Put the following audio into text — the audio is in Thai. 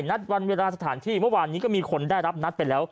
นัดวันเวลาสถานที่เมื่อวานนี้ก็มีคนได้รับนัดไปแล้ว